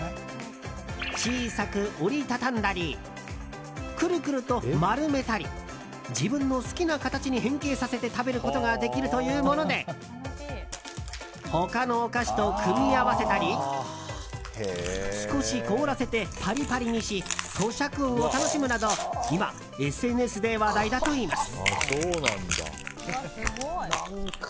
小さく折り畳んだりクルクルと丸めたり自分の好きな形に変形させて食べることができるというもので他のお菓子と組み合わせたり少し凍らせてパリパリにし咀嚼音を楽しむなど今、ＳＮＳで話題だといいます。